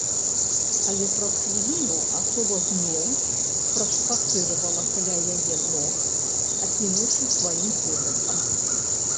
Але праз хвіліну асоба зноў прашпацыравала каля яе ног, акінуўшы сваім позіркам.